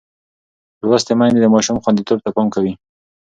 لوستې میندې د ماشوم خوندیتوب ته پام کوي.